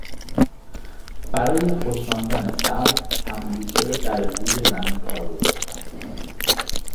برای خشکاندن سلخ، تنبوشه در زیر زمین کار گذاشتن